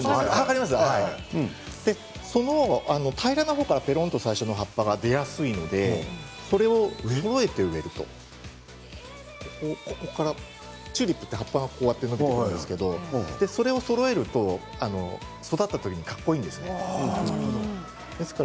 平らな方からペロンと最初の葉っぱが出やすいのでそれをそろえて植えるとチューリップは葉っぱが伸びていくんですけどそれをそろえると育った時にかっこいいんですね。